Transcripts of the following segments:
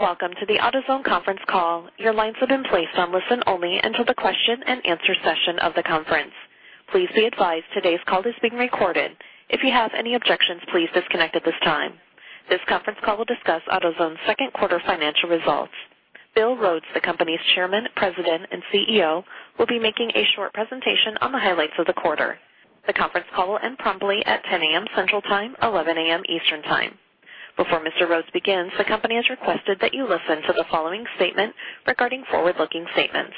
Welcome to the AutoZone conference call. Your lines have been placed on listen-only until the question and answer session of the conference. Please be advised today's call is being recorded. If you have any objections, please disconnect at this time. This conference call will discuss AutoZone's second quarter financial results. Bill Rhodes, the company's Chairman, President, and CEO, will be making a short presentation on the highlights of the quarter. The conference call will end promptly at 10:00 A.M. Central Time, 11:00 A.M. Eastern Time. Before Mr. Rhodes begins, the company has requested that you listen to the following statement regarding forward-looking statements.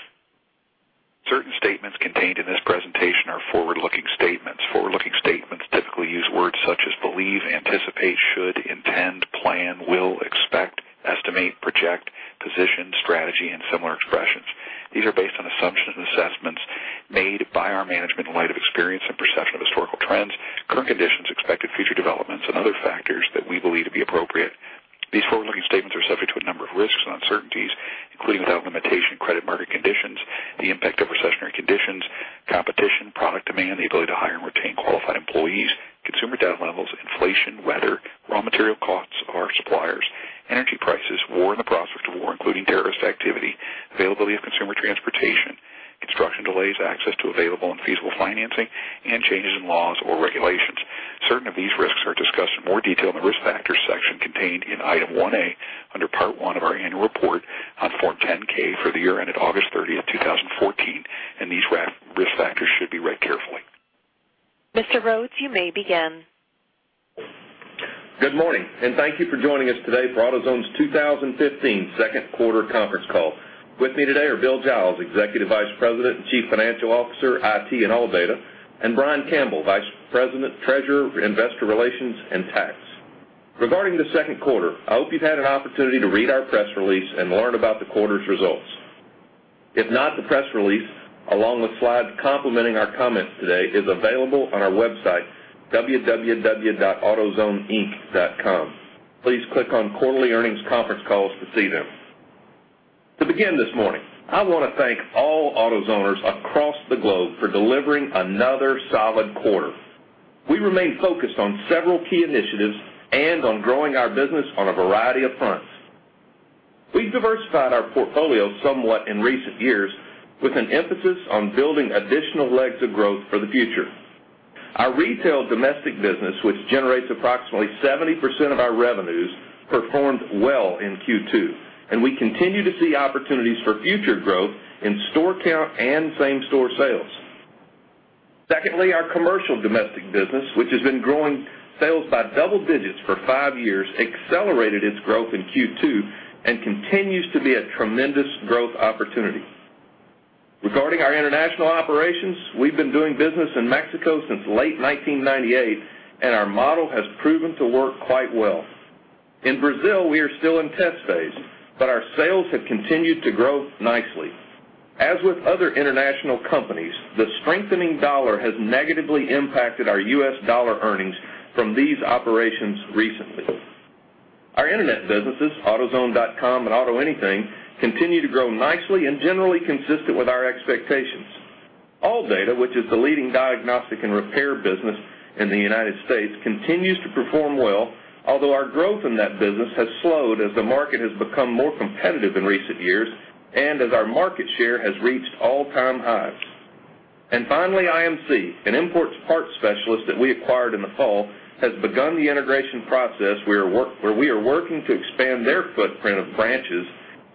Certain statements contained in this presentation are forward-looking statements. Forward-looking statements typically use words such as believe, anticipate, should, intend, plan, will, expect, estimate, project, position, strategy, and similar expressions. These are based on assumptions and assessments made by our management in light of experience and perception of historical trends, current conditions, expected future developments, and other factors that we believe to be appropriate. These forward-looking statements are subject to a number of risks and uncertainties, including without limitation, credit market conditions, the impact of recessionary conditions, competition, product demand, the ability to hire and retain qualified employees, consumer debt levels, inflation, weather, raw material costs of our suppliers, energy prices, war and the prospect of war, including terrorist activity, availability of consumer transportation, construction delays, access to available and feasible financing, and changes in laws or regulations. Certain of these risks are discussed in more detail in the Risk Factors section contained in Item 1A under Part One of our annual report on Form 10-K for the year ended August 30th, 2014, and these risk factors should be read carefully. Mr. Rhodes, you may begin. Good morning, and thank you for joining us today for AutoZone's 2015 second quarter conference call. With me today are Bill Giles, Executive Vice President and Chief Financial Officer, IT, and ALLDATA, and Brian Campbell, Vice President, Treasurer, Investor Relations, and Tax. Regarding the second quarter, I hope you've had an opportunity to read our press release and learn about the quarter's results. If not, the press release, along with slides complementing our comments today, is available on our website, www.autozoneinc.com. Please click on Quarterly Earnings Conference Calls to see them. To begin this morning, I want to thank all AutoZoners across the globe for delivering another solid quarter. We remain focused on several key initiatives and on growing our business on a variety of fronts. We've diversified our portfolio somewhat in recent years with an emphasis on building additional legs of growth for the future. Our retail domestic business, which generates approximately 70% of our revenues, performed well in Q2, and we continue to see opportunities for future growth in store count and same-store sales. Secondly, our commercial domestic business, which has been growing sales by double digits for five years, accelerated its growth in Q2 and continues to be a tremendous growth opportunity. Regarding our international operations, we've been doing business in Mexico since late 1998, and our model has proven to work quite well. In Brazil, we are still in test phase, but our sales have continued to grow nicely. As with other international companies, the strengthening dollar has negatively impacted our U.S. dollar earnings from these operations recently. Our internet businesses, autozone.com and AutoAnything, continue to grow nicely and generally consistent with our expectations. ALLDATA, which is the leading diagnostic and repair business in the U.S., continues to perform well, although our growth in that business has slowed as the market has become more competitive in recent years and as our market share has reached all-time highs. Finally, IMC, an imports parts specialist that we acquired in the fall, has begun the integration process where we are working to expand their footprint of branches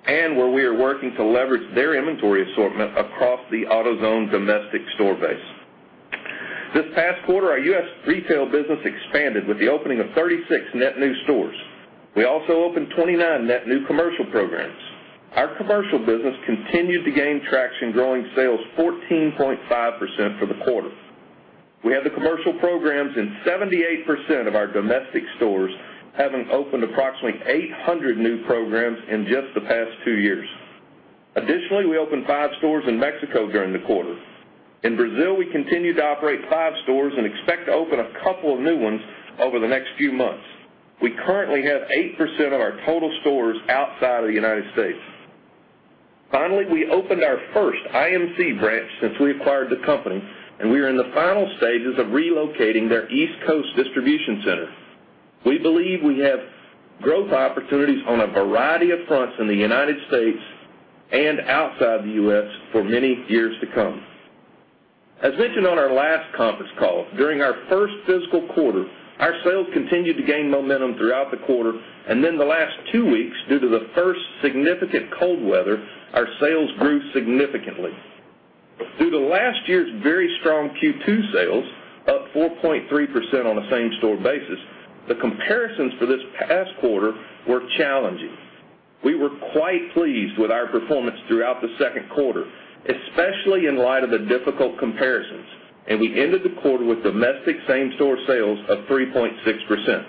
and where we are working to leverage their inventory assortment across the AutoZone domestic store base. This past quarter, our U.S. retail business expanded with the opening of 36 net new stores. We also opened 29 net new commercial programs. Our commercial business continued to gain traction, growing sales 14.5% for the quarter. We have the commercial programs in 78% of our domestic stores, having opened approximately 800 new programs in just the past two years. Additionally, we opened five stores in Mexico during the quarter. In Brazil, we continue to operate five stores and expect to open a couple of new ones over the next few months. We currently have 8% of our total stores outside of the U.S. Finally, we opened our first IMC branch since we acquired the company, and we are in the final stages of relocating their East Coast distribution center. We believe we have growth opportunities on a variety of fronts in the U.S. and outside the U.S. for many years to come. As mentioned on our last conference call, during our first fiscal quarter, our sales continued to gain momentum throughout the quarter, and in the last two weeks, due to the first significant cold weather, our sales grew significantly. Through the last year's very strong Q2 sales, up 4.3% on a same-store basis, the comparisons for this past quarter were challenging. We were quite pleased with our performance throughout the second quarter, especially in light of the difficult comparisons, and we ended the quarter with domestic same-store sales of 3.6%.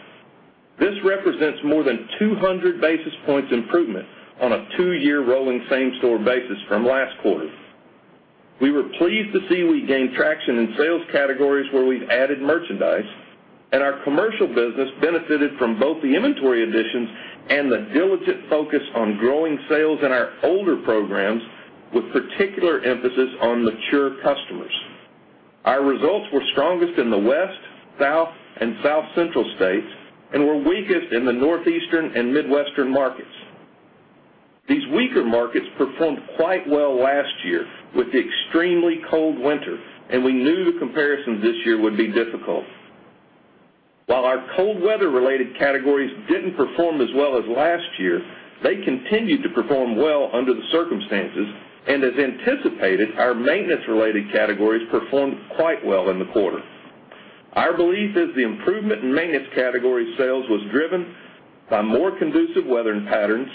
This represents more than 200 basis points improvement on a two-year rolling same-store basis from last quarter. We were pleased to see we gained traction in sales categories where we've added merchandise, and our commercial business benefited from both the inventory additions and the diligent focus on growing sales in our older programs, with particular emphasis on mature customers. Our results were strongest in the West, South, and South Central states, and were weakest in the Northeastern and Midwestern markets. These weaker markets performed quite well last year with the extremely cold winter, and we knew the comparisons this year would be difficult. While our cold weather-related categories didn't perform as well as last year, they continued to perform well under the circumstances. As anticipated, our maintenance-related categories performed quite well in the quarter. Our belief is the improvement in maintenance category sales was driven by more conducive weather patterns,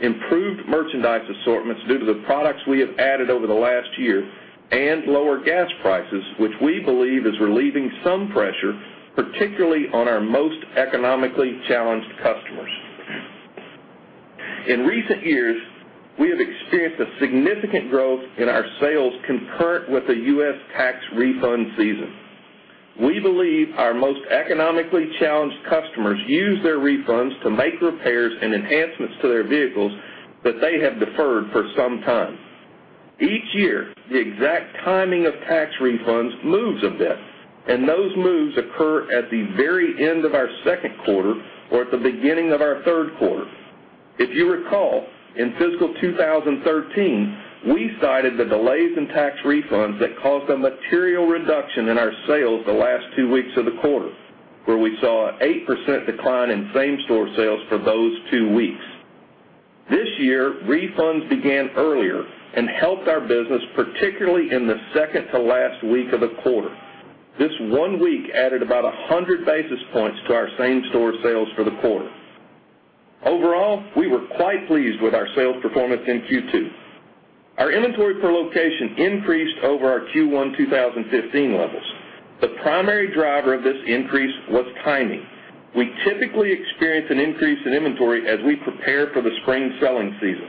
improved merchandise assortments due to the products we have added over the last year, and lower gas prices, which we believe is relieving some pressure, particularly on our most economically challenged customers. In recent years, we have experienced a significant growth in our sales concurrent with the U.S. tax refund season. We believe our most economically challenged customers use their refunds to make repairs and enhancements to their vehicles that they have deferred for some time. Each year, the exact timing of tax refunds moves a bit, and those moves occur at the very end of our second quarter or at the beginning of our third quarter. If you recall, in fiscal 2013, we cited the delays in tax refunds that caused a material reduction in our sales the last two weeks of the quarter, where we saw an 8% decline in same-store sales for those two weeks. This year, refunds began earlier and helped our business, particularly in the second to last week of the quarter. This one week added about 100 basis points to our same-store sales for the quarter. Overall, we were quite pleased with our sales performance in Q2. Our inventory per location increased over our Q1 2015 levels. The primary driver of this increase was timing. We typically experience an increase in inventory as we prepare for the spring selling season.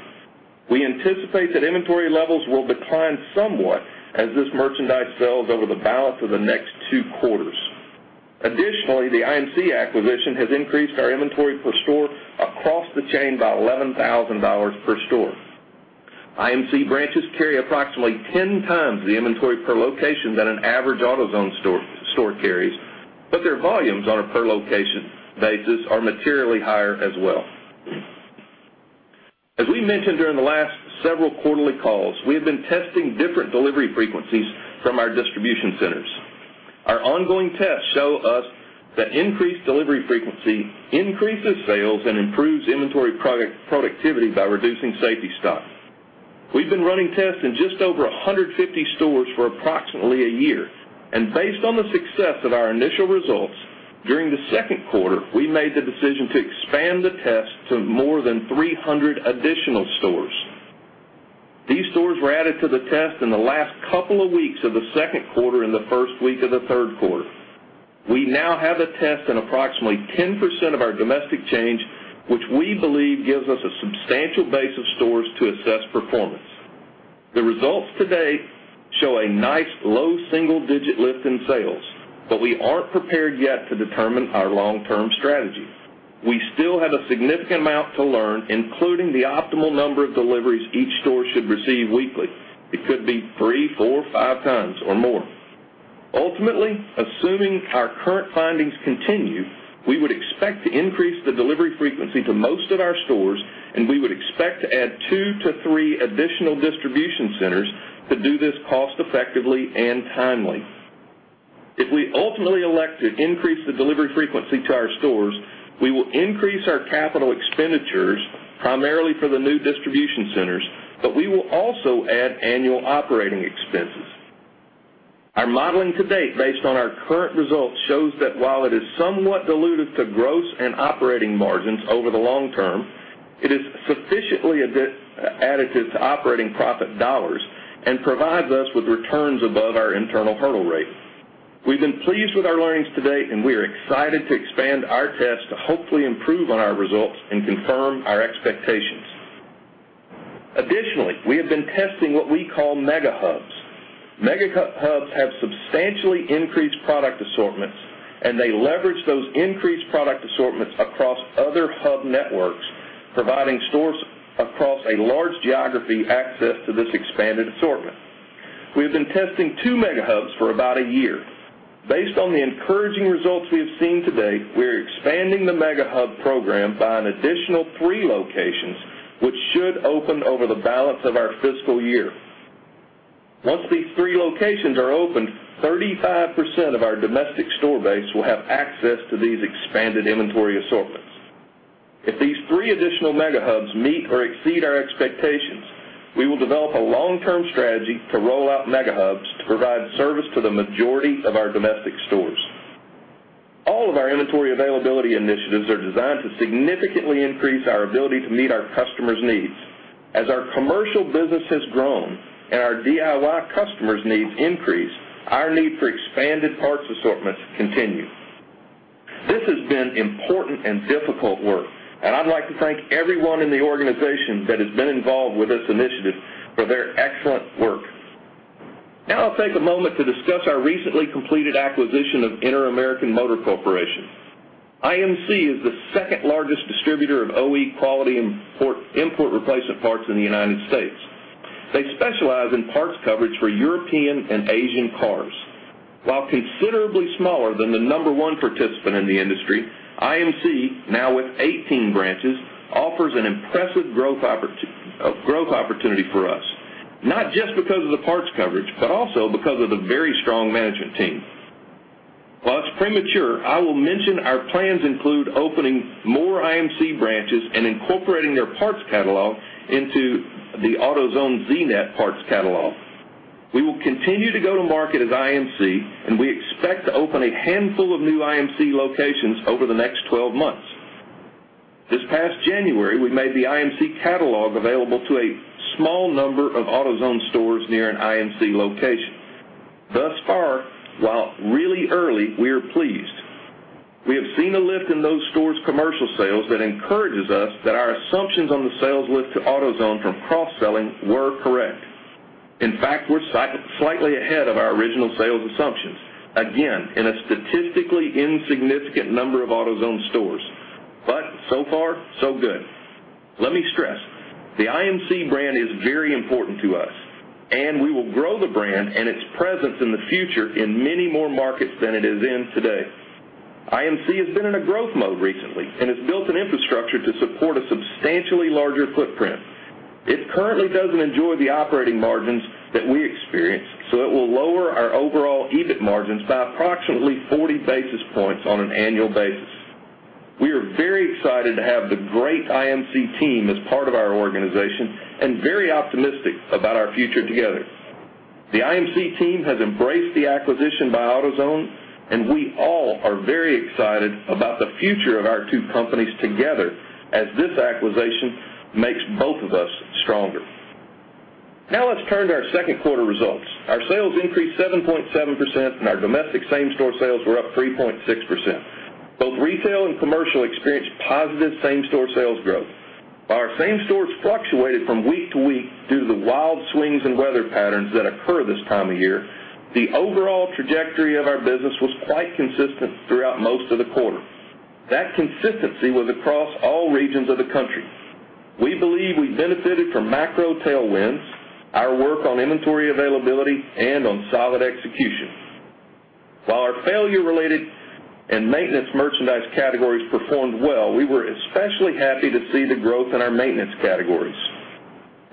We anticipate that inventory levels will decline somewhat as this merchandise sells over the balance of the next two quarters. Additionally, the IMC acquisition has increased our inventory per store across the chain by $11,000 per store. IMC branches carry approximately 10 times the inventory per location than an average AutoZone store carries, but their volumes on a per location basis are materially higher as well. As we mentioned during the last several quarterly calls, we have been testing different delivery frequencies from our distribution centers. Our ongoing tests show us that increased delivery frequency increases sales and improves inventory productivity by reducing safety stock. We've been running tests in just over 150 stores for approximately a year, and based on the success of our initial results, during the second quarter, we made the decision to expand the test to more than 300 additional stores. These stores were added to the test in the last couple of weeks of the second quarter and the first week of the third quarter. We now have a test in approximately 10% of our domestic chains, which we believe gives us a substantial base of stores to assess performance. The results to date show a nice low single-digit lift in sales. We aren't prepared yet to determine our long-term strategy. We still have a significant amount to learn, including the optimal number of deliveries each store should receive weekly. It could be three, four, five times or more. Ultimately, assuming our current findings continue, we would expect to increase the delivery frequency to most of our stores. We would expect to add two to three additional distribution centers to do this cost effectively and timely. If we ultimately elect to increase the delivery frequency to our stores, we will increase our capital expenditures primarily for the new distribution centers. We will also add annual operating expenses. Our modeling to date based on our current results shows that while it is somewhat dilutive to gross and operating margins over the long term, it is sufficiently additive to operating profit dollars and provides us with returns above our internal hurdle rate. We've been pleased with our learnings to date. We are excited to expand our test to hopefully improve on our results and confirm our expectations. Additionally, we have been testing what we call mega hubs. Mega hubs have substantially increased product assortments. They leverage those increased product assortments across other hub networks, providing stores across a large geography access to this expanded assortment. We have been testing two mega hubs for about a year. Based on the encouraging results we have seen to date, we are expanding the mega hub program by an additional three locations, which should open over the balance of our fiscal year. Once these three locations are opened, 35% of our domestic store base will have access to these expanded inventory assortments. If these three additional mega hubs meet or exceed our expectations, we will develop a long-term strategy to roll out mega hubs to provide service to the majority of our domestic stores. All of our inventory availability initiatives are designed to significantly increase our ability to meet our customers' needs. As our commercial business has grown and our DIY customers' needs increase, our need for expanded parts assortments continue. This has been important and difficult work. I'd like to thank everyone in the organization that has been involved with this initiative for their excellent work. Now I'll take a moment to discuss our recently completed acquisition of Interamerican Motor Corporation. IMC is the second largest distributor of OE quality import replacement parts in the U.S. They specialize in parts coverage for European and Asian cars. While considerably smaller than the number one participant in the industry, IMC, now with 18 branches, offers an impressive growth opportunity for us, not just because of the parts coverage. Also because of the very strong management team. While it's premature, I will mention our plans include opening more IMC branches and incorporating their parts catalog into the AutoZone Z-net parts catalog. We will continue to go to market as IMC, and we expect to open a handful of new IMC locations over the next 12 months. This past January, we made the IMC catalog available to a small number of AutoZone stores near an IMC location. Thus far, while really early, we are pleased. We have seen a lift in those stores' commercial sales that encourages us that our assumptions on the sales lift to AutoZone from cross-selling were correct. In fact, we're slightly ahead of our original sales assumptions, again, in a statistically insignificant number of AutoZone stores. So far, so good. Let me stress, the IMC brand is very important to us, and we will grow the brand and its presence in the future in many more markets than it is in today. IMC has been in a growth mode recently and has built an infrastructure to support a substantially larger footprint. It currently doesn't enjoy the operating margins that we experience, so it will lower our overall EBIT margins by approximately 40 basis points on an annual basis. We are very excited to have the great IMC team as part of our organization and very optimistic about our future together. The IMC team has embraced the acquisition by AutoZone, and we all are very excited about the future of our two companies together as this acquisition makes both of us stronger. Let's turn to our second quarter results. Our sales increased 7.7%, and our domestic same-store sales were up 3.6%. Both retail and commercial experienced positive same-store sales growth. While our same stores fluctuated from week to week due to the wild swings in weather patterns that occur this time of year, the overall trajectory of our business was quite consistent throughout most of the quarter. That consistency was across all regions of the country. We believe we benefited from macro tailwinds, our work on inventory availability, and on solid execution. While our failure-related and maintenance merchandise categories performed well, we were especially happy to see the growth in our maintenance categories.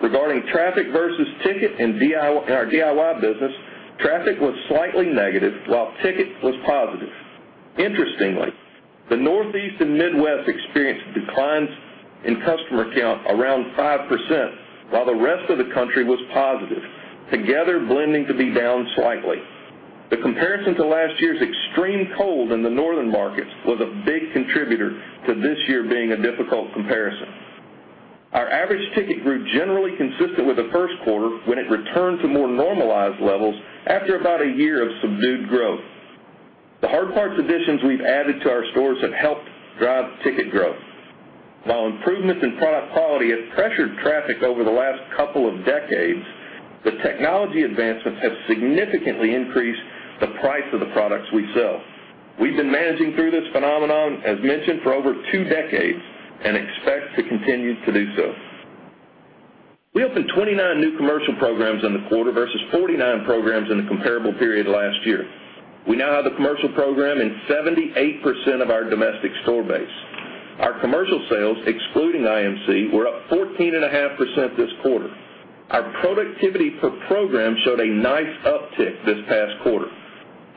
Regarding traffic versus ticket in our DIY business, traffic was slightly negative, while ticket was positive. Interestingly, the Northeast and Midwest experienced declines in customer count around 5%, while the rest of the country was positive, together blending to be down slightly. The comparison to last year's extreme cold in the northern markets was a big contributor to this year being a difficult comparison. Our average ticket grew generally consistent with the first quarter when it returned to more normalized levels after about a year of subdued growth. The hard parts additions we've added to our stores have helped drive ticket growth. While improvements in product quality have pressured traffic over the last couple of decades, the technology advancements have significantly increased the price of the products we sell. We've been managing through this phenomenon, as mentioned, for over two decades and expect to continue to do so. We opened 29 new commercial programs in the quarter versus 49 programs in the comparable period last year. We now have the commercial program in 78% of our domestic store base. Our commercial sales, excluding IMC, were up 14.5% this quarter. Our productivity per program showed a nice uptick this past quarter.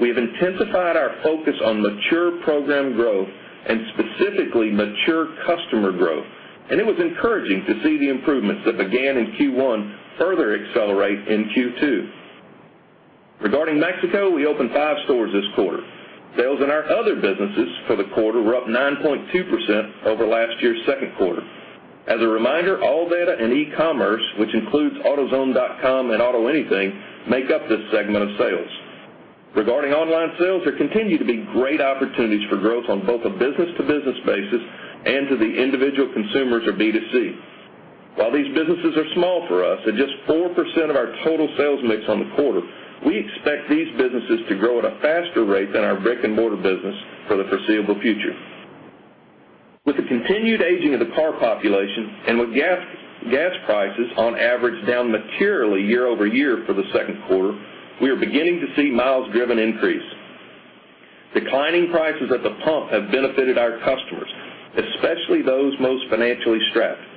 We have intensified our focus on mature program growth and specifically mature customer growth, and it was encouraging to see the improvements that began in Q1 further accelerate in Q2. Regarding Mexico, we opened five stores this quarter. Sales in our other businesses for the quarter were up 9.2% over last year's second quarter. As a reminder, ALLDATA in e-commerce, which includes autozone.com and AutoAnything, make up this segment of sales. Regarding online sales, there continue to be great opportunities for growth on both a business-to-business basis and to the individual consumers or B2C. While these businesses are small for us at just 4% of our total sales mix on the quarter, we expect these businesses to grow at a faster rate than our brick-and-mortar business for the foreseeable future. With the continued aging of the car population and with gas prices on average down materially year-over-year for the second quarter, we are beginning to see miles driven increase. Declining prices at the pump have benefited our customers, especially those most financially stressed.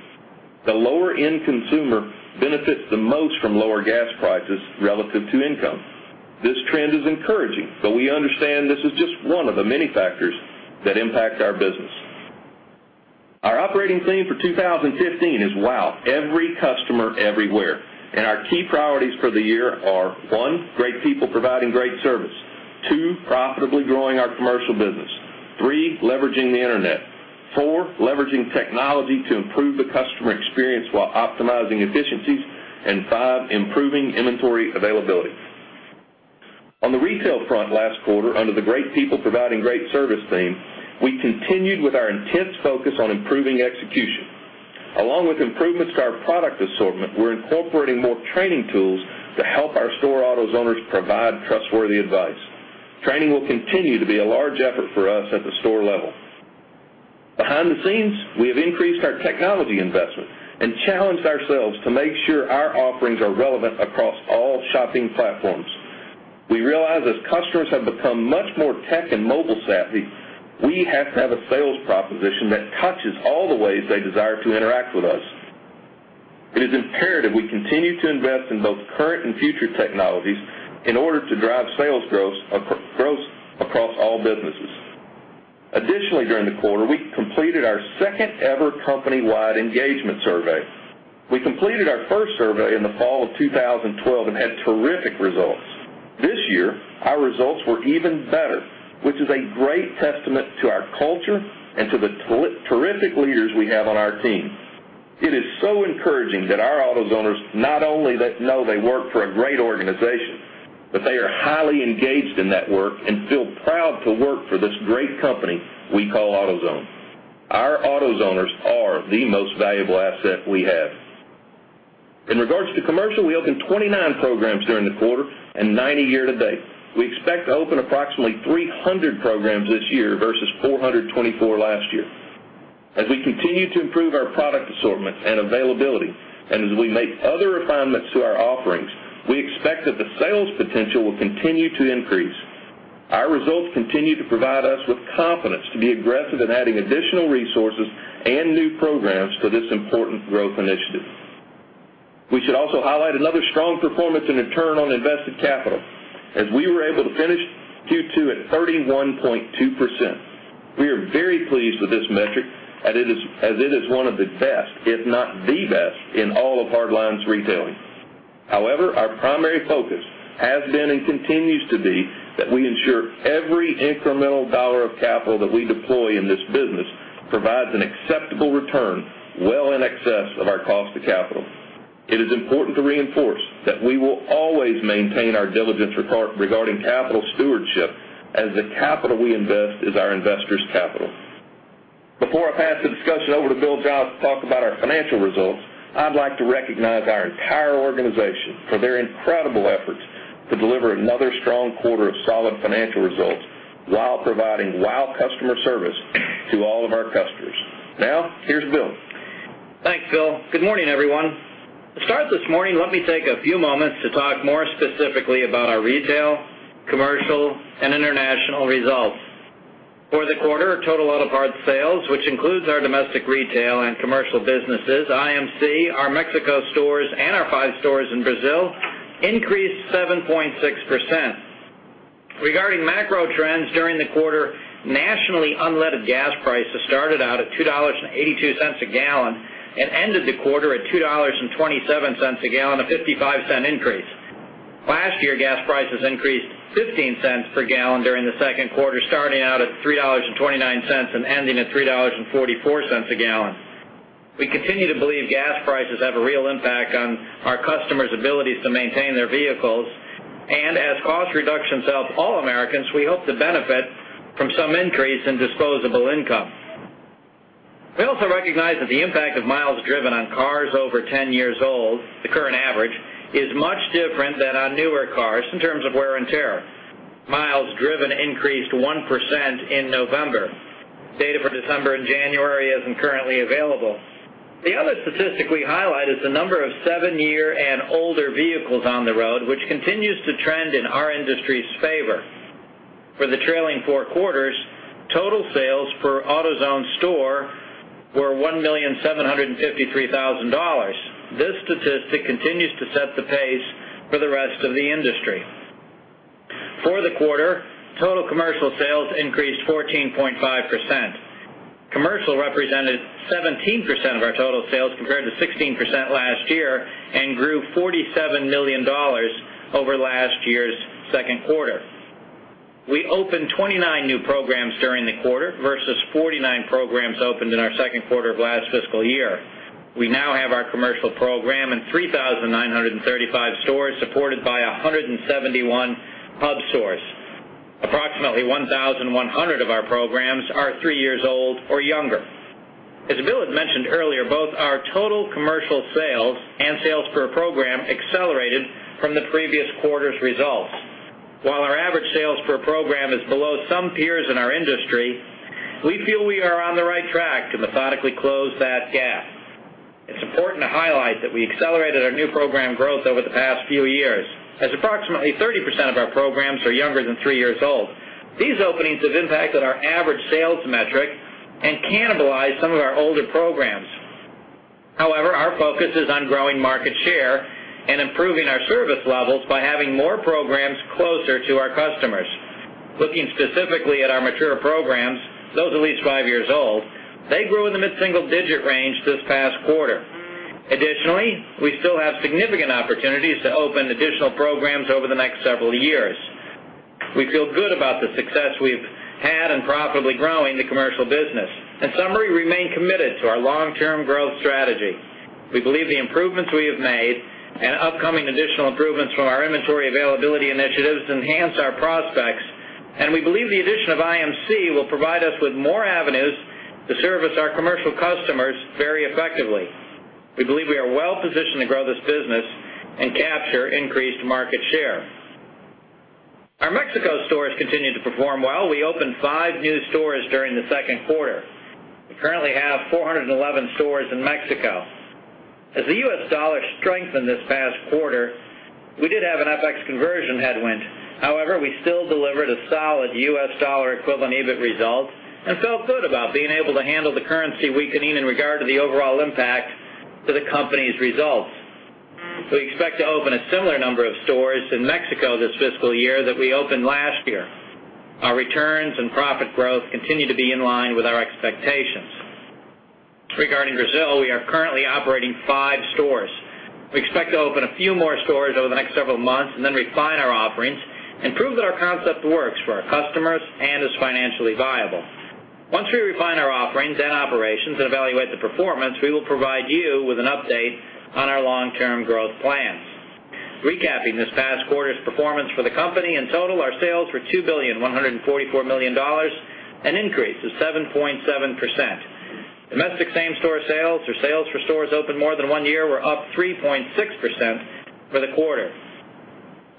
The lower-end consumer benefits the most from lower gas prices relative to income. This trend is encouraging, but we understand this is just one of the many factors that impact our business. Our operating theme for 2015 is "Wow every customer everywhere." Our key priorities for the year are, one, great people providing great service. Two, profitably growing our commercial business. Three, leveraging the Internet. Four, leveraging technology to improve the customer experience while optimizing efficiencies. And five, improving inventory availability. On the retail front last quarter, under the great people providing great service theme, we continued with our intense focus on improving execution. Along with improvements to our product assortment, we're incorporating more training tools to help our store AutoZoners provide trustworthy advice. Training will continue to be a large effort for us at the store level. Behind the scenes, we have increased our technology investment and challenged ourselves to make sure our offerings are relevant across all shopping platforms. We realize as customers have become much more tech and mobile savvy, we have to have a sales proposition that touches all the ways they desire to interact with us. It is imperative we continue to invest in both current and future technologies in order to drive sales growth across all businesses. Additionally, during the quarter, we completed our second-ever company-wide engagement survey. We completed our first survey in the fall of 2012 and had terrific results. This year, our results were even better, which is a great testament to our culture and to the terrific leaders we have on our team. It is so encouraging that our AutoZoners not only know they work for a great organization, but they are highly engaged in that work and feel proud to work for this great company we call AutoZone. Our AutoZoners are the most valuable asset we have. In regards to commercial, we opened 29 programs during the quarter and 90 year-to-date. We expect to open approximately 300 programs this year versus 424 last year. As we continue to improve our product assortment and availability, and as we make other refinements to our offerings, we expect that the sales potential will continue to increase. Our results continue to provide us with confidence to be aggressive in adding additional resources and new programs for this important growth initiative. We should also highlight another strong performance in return on invested capital, as we were able to finish Q2 at 31.2%. We are very pleased with this metric as it is one of the best, if not the best, in all of hardlines retailing. However, our primary focus has been and continues to be that we ensure every incremental $ of capital that we deploy in this business provides an acceptable return well in excess of our cost of capital. It is important to reinforce that we will always maintain our diligence regarding capital stewardship, as the capital we invest is our investors' capital. Before I pass the discussion over to Bill Giles to talk about our financial results, I'd like to recognize our entire organization for their incredible efforts to deliver another strong quarter of solid financial results while providing wow customer service to all of our customers. Here's Bill. Thanks, Bill Rhodes. Good morning, everyone. To start this morning, let me take a few moments to talk more specifically about our retail, commercial, and international results. For the quarter, total auto parts sales, which includes our domestic retail and commercial businesses, IMC, our Mexico stores, and our five stores in Brazil, increased 7.6%. Regarding macro trends during the quarter, nationally, unleaded gas prices started out at $2.82 a gallon and ended the quarter at $2.27 a gallon, a $0.55 increase. Last year, gas prices increased $0.15 per gallon during the second quarter, starting out at $3.29 and ending at $3.44 a gallon. We continue to believe gas prices have a real impact on our customers' abilities to maintain their vehicles, and as cost reductions help all Americans, we hope to benefit from some increase in disposable income. We also recognize that the impact of miles driven on cars over 10 years old, the current average, is much different than on newer cars in terms of wear and tear. Miles driven increased 1% in November. Data for December and January isn't currently available. The other statistic we highlight is the number of seven-year and older vehicles on the road, which continues to trend in our industry's favor. For the trailing four quarters, total sales per AutoZone store were $1,753,000. This statistic continues to set the pace for the rest of the industry. For the quarter, total commercial sales increased 14.5%. Commercial represented 17% of our total sales compared to 16% last year and grew $47 million over last year's second quarter. We opened 29 new programs during the quarter versus 49 programs opened in our second quarter of last fiscal year. We now have our commercial program in 3,935 stores supported by 171 hub stores. Approximately 1,100 of our programs are three years old or younger. As Bill had mentioned earlier, both our total commercial sales and sales per program accelerated from the previous quarter's results. While our average sales per program is below some peers in our industry, we feel we are on the right track to methodically close that gap. It's important to highlight that we accelerated our new program growth over the past few years, as approximately 30% of our programs are younger than three years old. These openings have impacted our average sales metric and cannibalized some of our older programs. However, our focus is on growing market share and improving our service levels by having more programs closer to our customers. Looking specifically at our mature programs, those at least five years old, they grew in the mid-single digit range this past quarter. Additionally, we still have significant opportunities to open additional programs over the next several years. We feel good about the success we've had in profitably growing the commercial business. In summary, we remain committed to our long-term growth strategy. We believe the improvements we have made and upcoming additional improvements from our inventory availability initiatives enhance our prospects, and we believe the addition of IMC will provide us with more avenues to service our commercial customers very effectively. We believe we are well positioned to grow this business and capture increased market share. Our Mexico stores continue to perform well. We opened five new stores during the second quarter. We currently have 411 stores in Mexico. As the U.S. dollar strengthened this past quarter, we did have an FX conversion headwind. However, we still delivered a solid U.S. dollar equivalent EBIT result and felt good about being able to handle the currency weakening in regard to the overall impact to the company's results. We expect to open a similar number of stores in Mexico this fiscal year that we opened last year. Our returns and profit growth continue to be in line with our expectations. Regarding Brazil, we are currently operating five stores. We expect to open a few more stores over the next several months and then refine our offerings and prove that our concept works for our customers and is financially viable. Once we refine our offerings and operations and evaluate the performance, we will provide you with an update on our long-term growth plans. Recapping this past quarter's performance for the company, in total, our sales were $2,144,000,000, an increase of 7.7%. Domestic same-store sales or sales for stores open more than one year were up 3.6% for the quarter.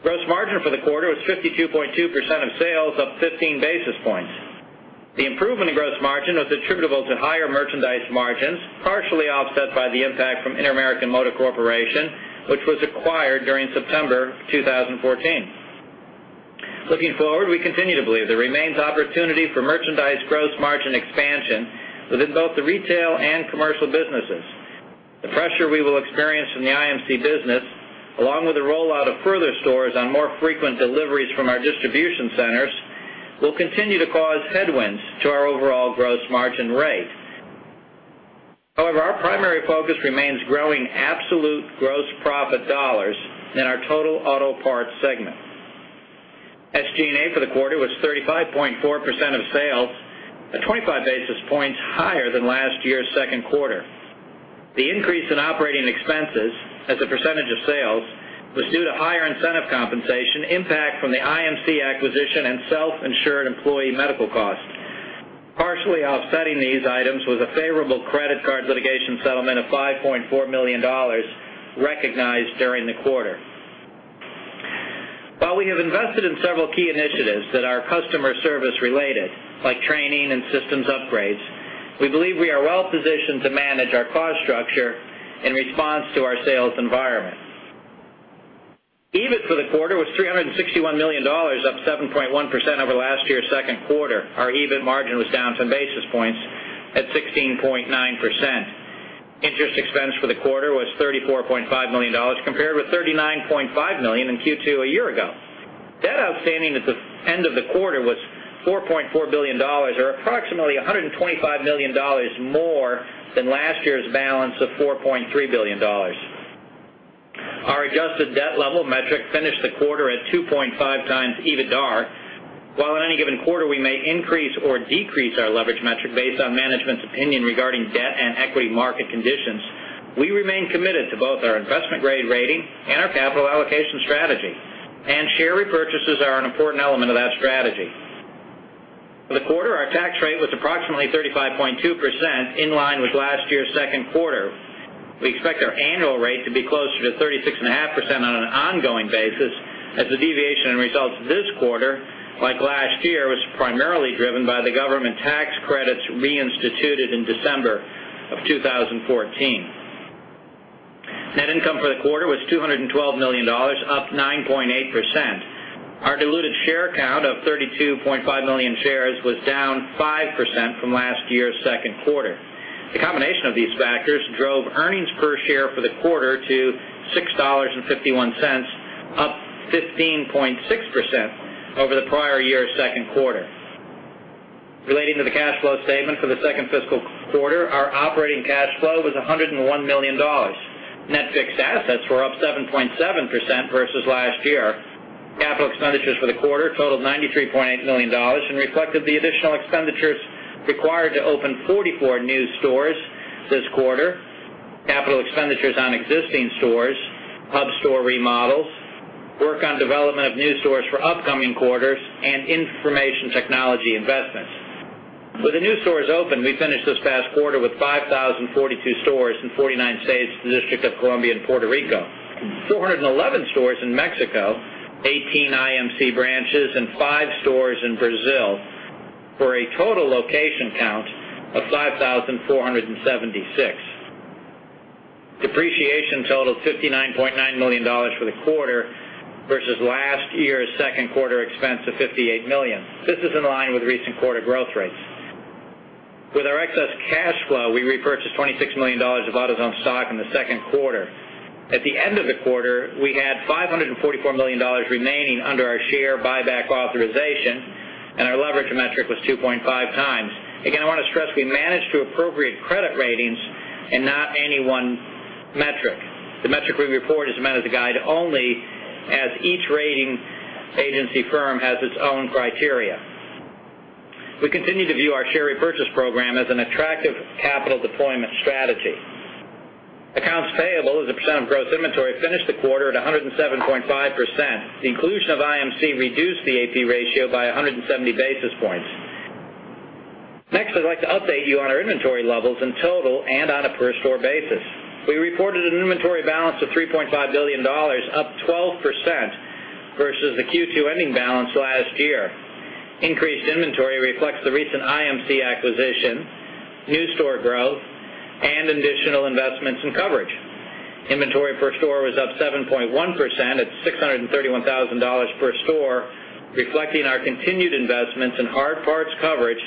Gross margin for the quarter was 52.2% of sales, up 15 basis points. The improvement in gross margin was attributable to higher merchandise margins, partially offset by the impact from Interamerican Motor Corporation, which was acquired during September 2014. Looking forward, we continue to believe there remains opportunity for merchandise gross margin expansion within both the retail and commercial businesses. The pressure we will experience from the IMC business, along with the rollout of further stores on more frequent deliveries from our distribution centers, will continue to cause headwinds to our overall gross margin rate. However, our primary focus remains growing absolute gross profit dollars in our total auto parts segment. SG&A for the quarter was 35.4% of sales, 25 basis points higher than last year's second quarter. The increase in operating expenses as a percentage of sales was due to higher incentive compensation impact from the IMC acquisition and self-insured employee medical costs. Partially offsetting these items was a favorable credit card litigation settlement of $5.4 million recognized during the quarter. While we have invested in several key initiatives that are customer service related, like training and systems upgrades, we believe we are well positioned to manage our cost structure in response to our sales environment. EBIT for the quarter was $361 million, up 7.1% over last year's second quarter. Our EBIT margin was down 10 basis points at 16.9%. Interest expense for the quarter was $34.5 million compared with $39.5 million in Q2 a year ago. Debt outstanding at the end of the quarter was $4.4 billion, or approximately $125 million more than last year's balance of $4.3 billion. Our adjusted debt level metric finished the quarter at 2.5 times EBITDAR. While in any given quarter, we may increase or decrease our leverage metric based on management's opinion regarding debt and equity market conditions, we remain committed to both our investment-grade rating and our capital allocation strategy. Share repurchases are an important element of that strategy. For the quarter, our tax rate was approximately 35.2%, in line with last year's second quarter. We expect our annual rate to be closer to 36.5% on an ongoing basis as the deviation in results this quarter, like last year, was primarily driven by the government tax credits reinstituted in December of 2014. Net income for the quarter was $212 million, up 9.8%. Our diluted share count of 32.5 million shares was down 5% from last year's second quarter. The combination of these factors drove earnings per share for the quarter to $6.51, up 15.6% over the prior year's second quarter. Relating to the cash flow statement for the second fiscal quarter, our operating cash flow was $101 million. Net fixed assets were up 7.7% versus last year. Capital expenditures for the quarter totaled $93.8 million and reflected the additional expenditures required to open 44 new stores this quarter, capital expenditures on existing stores, hub store remodels, work on development of new stores for upcoming quarters, and information technology investments. With the new stores open, we finished this past quarter with 5,042 stores in 49 states, the District of Columbia, and Puerto Rico, 411 stores in Mexico, 18 IMC branches, and five stores in Brazil for a total location count of 5,476. Depreciation totaled $59.9 million for the quarter versus last year's second quarter expense of $58 million. This is in line with recent quarter growth rates. With our excess cash flow, we repurchased $26 million of AutoZone stock in the second quarter. At the end of the quarter, we had $544 million remaining under our share buyback authorization. Our leverage metric was 2.5 times. Again, I want to stress, we manage to appropriate credit ratings and not any one metric. The metric we report is meant as a guide only, as each rating agency firm has its own criteria. We continue to view our share repurchase program as an attractive capital deployment strategy. Accounts payable as a percent of gross inventory finished the quarter at 107.5%. The inclusion of IMC reduced the AP ratio by 170 basis points. I'd like to update you on our inventory levels in total and on a per-store basis. We reported an inventory balance of $3.5 billion, up 12% versus the Q2 ending balance last year. Increased inventory reflects the recent IMC acquisition, new store growth, and additional investments in coverage. Inventory per store was up 7.1% at $631,000 per store, reflecting our continued investments in hard parts coverage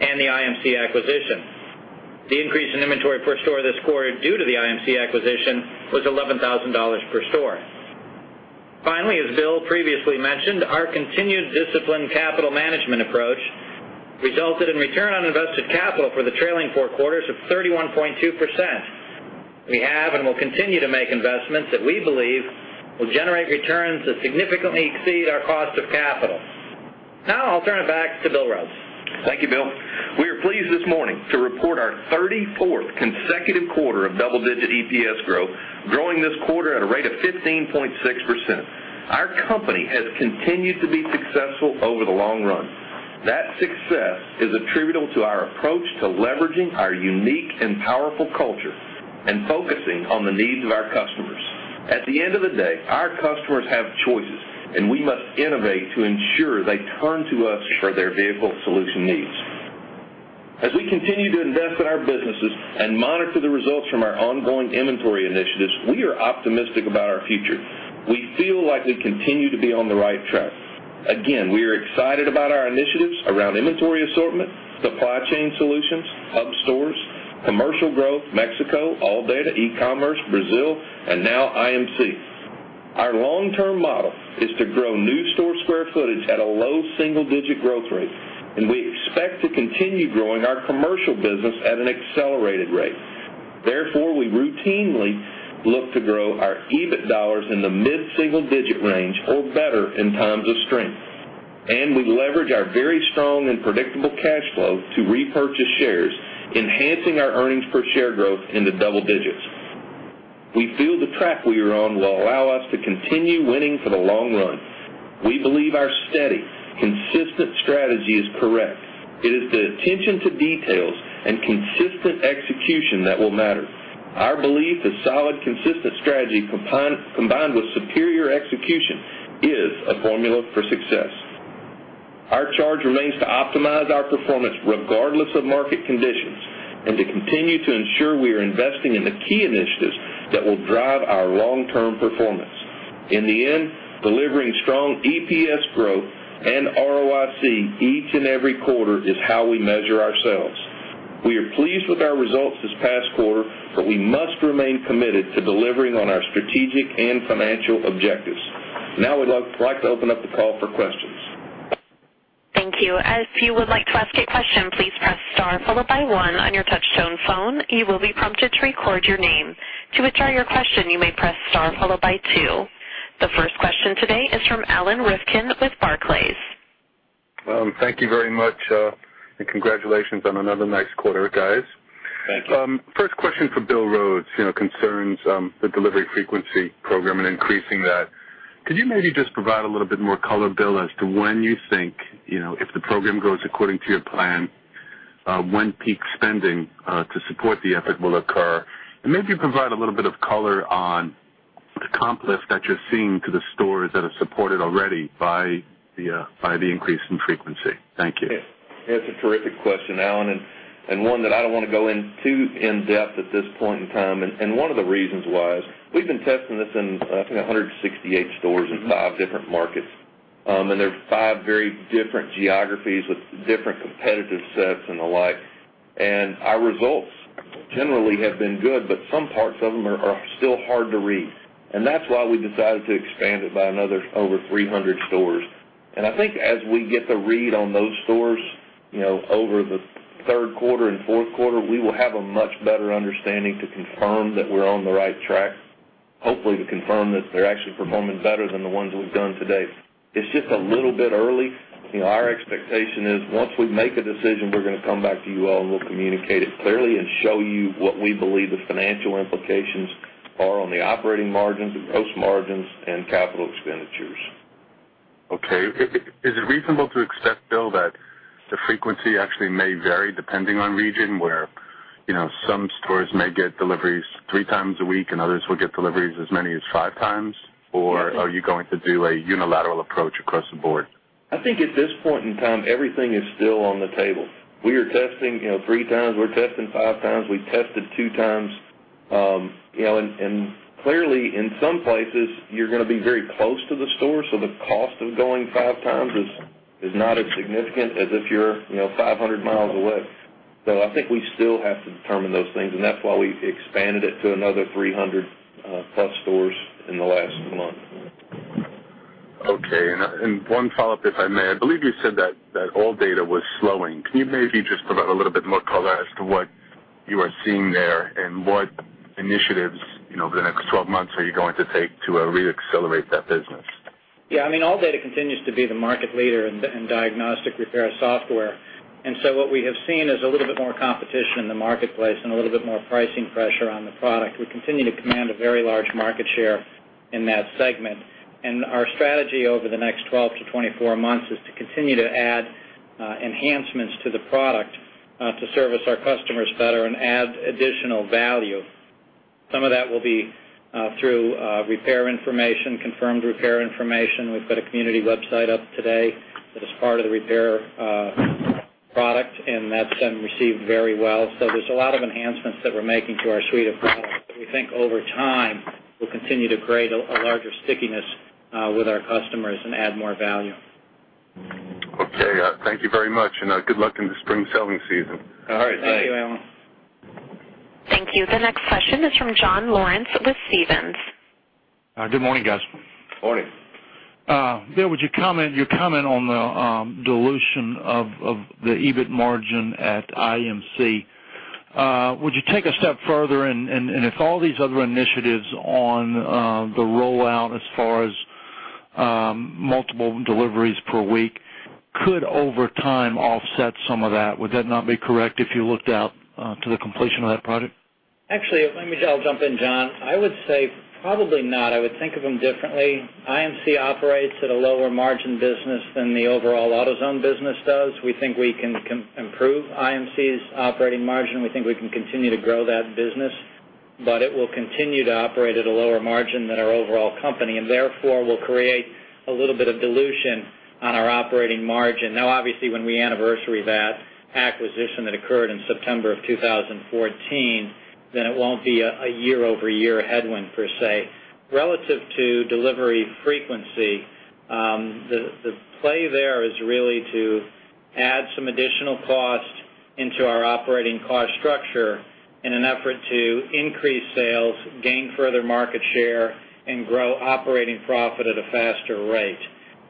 and the IMC acquisition. The increase in inventory per store this quarter due to the IMC acquisition was $11,000 per store. Finally, as Bill previously mentioned, our continued disciplined capital management approach resulted in return on invested capital for the trailing four quarters of 31.2%. We have and will continue to make investments that we believe will generate returns that significantly exceed our cost of capital. I'll turn it back to Bill Rhodes. Thank you, Bill. We are pleased this morning to report our 34th consecutive quarter of double-digit EPS growth, growing this quarter at a rate of 15.6%. Our company has continued to be successful over the long run. That success is attributable to our approach to leveraging our unique and powerful culture and focusing on the needs of our customers. At the end of the day, our customers have choices, and we must innovate to ensure they turn to us for their vehicle solution needs. As we continue to invest in our businesses and monitor the results from our ongoing inventory initiatives, we are optimistic about our future. We feel like we continue to be on the right track. Again, we are excited about our initiatives around inventory assortment, supply chain solutions, hub stores, commercial growth, Mexico, ALLDATA, e-commerce, Brazil, and now IMC. Our long-term model is to grow new store square footage at a low single-digit growth rate. We expect to continue growing our commercial business at an accelerated rate. Therefore, we routinely look to grow our EBIT dollars in the mid-single digit range or better in times of strength. We leverage our very strong and predictable cash flow to repurchase shares, enhancing our earnings per share growth into double digits. We feel the track we are on will allow us to continue winning for the long run. We believe our steady, consistent strategy is correct. It is the attention to details and consistent execution that will matter. Our belief is solid, consistent strategy combined with superior execution is a formula for success. Our charge remains to optimize our performance regardless of market conditions and to continue to ensure we are investing in the key initiatives that will drive our long-term performance. In the end, delivering strong EPS growth and ROIC each and every quarter is how we measure ourselves. We are pleased with our results this past quarter. We must remain committed to delivering on our strategic and financial objectives. We'd like to open up the call for questions. Thank you. If you would like to ask a question, please press star followed by one on your touch-tone phone. You will be prompted to record your name. To withdraw your question, you may press star followed by two. The first question today is from Alan Rifkin with Barclays. Thank you very much, and congratulations on another nice quarter, guys. Thank you. First question for Bill Rhodes concerns the delivery frequency program and increasing that. Could you maybe just provide a little bit more color, Bill, as to when you think, if the program goes according to your plan, when peak spending to support the effort will occur, and maybe provide a little bit of color on the comp lift that you're seeing to the stores that have supported already by the increase in frequency. Thank you. It's a terrific question, Alan, one that I don't want to go in too in depth at this point in time. One of the reasons why is we've been testing this in, I think, 168 stores in five different markets, and they're five very different geographies with different competitive sets and the like. Our results generally have been good, but some parts of them are still hard to read. That's why we decided to expand it by another over 300 stores. I think as we get the read on those stores over the third quarter and fourth quarter, we will have a much better understanding to confirm that we're on the right track, hopefully to confirm that they're actually performing better than the ones we've done to date. It's just a little bit early. Our expectation is once we make a decision, we're going to come back to you all, and we'll communicate it clearly and show you what we believe the financial implications are on the operating margins, the gross margins, and capital expenditures. Okay. Is it reasonable to accept, Bill, that the frequency actually may vary depending on region where some stores may get deliveries three times a week and others will get deliveries as many as five times? Are you going to do a unilateral approach across the board? I think at this point in time, everything is still on the table. We are testing three times. We're testing five times. We tested two times. Clearly, in some places, you're going to be very close to the store, so the cost of going five times is not as significant as if you're 500 miles away. I think we still have to determine those things, and that's why we expanded it to another 300-plus stores in the last month. Okay. One follow-up, if I may. I believe you said that ALLDATA was slowing. Can you maybe just provide a little bit more color as to what you are seeing there and what initiatives over the next 12 months are you going to take to re-accelerate that business? Yeah. ALLDATA continues to be the market leader in diagnostic repair software. What we have seen is a little bit more competition in the marketplace and a little bit more pricing pressure on the product. We continue to command a very large market share in that segment. Our strategy over the next 12 to 24 months is to continue to add enhancements to the product to service our customers better and add additional value. Some of that will be through repair information, confirmed repair information. We've got a community website up today that is part of the repair product, and that's been received very well. There's a lot of enhancements that we're making to our suite of products that we think over time will continue to create a larger stickiness with our customers and add more value. Okay. Thank you very much, and good luck in the spring selling season. All right. Thank you. Thank you. The next question is from John Lawrence with Stephens. Good morning, guys. Morning. Bill, would you comment on the dilution of the EBIT margin at IMC? Would you take a step further and if all these other initiatives on the rollout as far as multiple deliveries per week could, over time, offset some of that? Would that not be correct if you looked out to the completion of that project? Actually, let me jump in, John. I would say probably not. I would think of them differently. IMC operates at a lower margin business than the overall AutoZone business does. We think we can improve IMC's operating margin. We think we can continue to grow that business, but it will continue to operate at a lower margin than our overall company, and therefore will create a little bit of dilution on our operating margin. Now, obviously, when we anniversary that acquisition that occurred in September of 2014, then it won't be a year-over-year headwind per se. Relative to delivery frequency, the play there is really to add some additional cost into our operating cost structure in an effort to increase sales, gain further market share, and grow operating profit at a faster rate.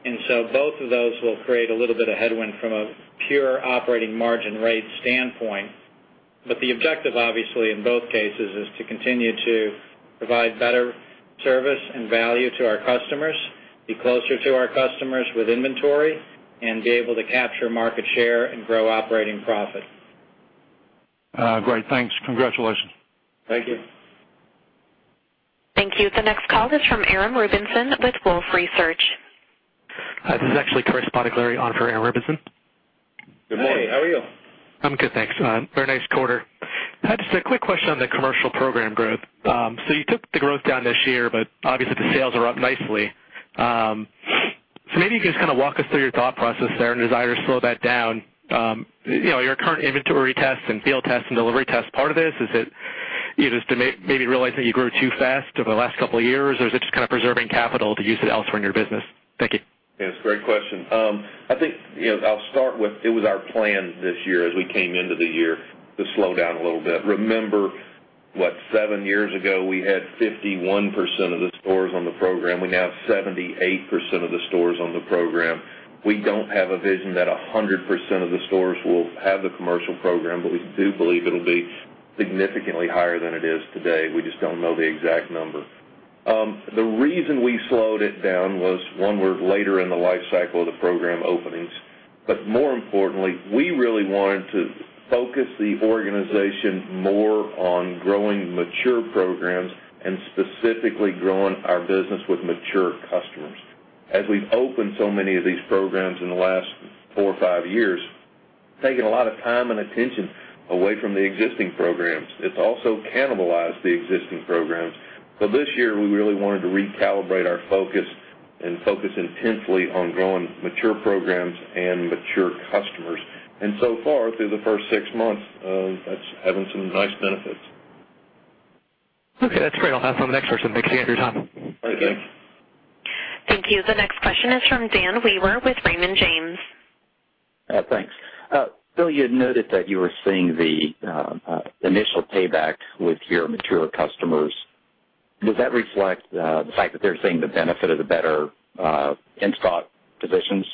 Both of those will create a little bit of headwind from a pure operating margin rate standpoint. The objective, obviously, in both cases, is to continue to provide better service and value to our customers, be closer to our customers with inventory, and be able to capture market share and grow operating profit. Great. Thanks. Congratulations. Thank you. Thank you. The next call is from Aaron Rakers with Wolfe Research. Hi, this is actually Chris Bottiglieri on for Aaron Rakers. Good morning. How are you? I'm good, thanks. Very nice quarter. Just a quick question on the commercial program growth. You took the growth down this year, but obviously the sales are up nicely. Maybe you can just walk us through your thought process there and desire to slow that down. Are your current inventory tests and field tests and delivery tests part of this? Is it just maybe realizing that you grew too fast over the last couple of years, or is it just preserving capital to use it elsewhere in your business? Thank you. Yes, great question. I think I'll start with, it was our plan this year as we came into the year to slow down a little bit. Remember, what, seven years ago, we had 51% of the stores on the program. We now have 78% of the stores on the program. We don't have a vision that 100% of the stores will have the commercial program, but we do believe it'll be significantly higher than it is today. We just don't know the exact number. The reason we slowed it down was, one, we're later in the life cycle of the program openings. More importantly, we really wanted to focus the organization more on growing mature programs and specifically growing our business with mature customers. As we've opened so many of these programs in the last four or five years, it's taken a lot of time and attention away from the existing programs. It's also cannibalized the existing programs. This year, we really wanted to recalibrate our focus and focus intensely on growing mature programs and mature customers. So far, through the first six months, that's having some nice benefits. Okay, that's great. I'll have to follow up next person. Thanks again for your time. Thanks. Thank you. The next question is from Dan Wewer with Raymond James. Thanks. Bill, you noted that you were seeing the initial payback with your mature customers. Does that reflect the fact that they're seeing the benefit of the better in-stock positions?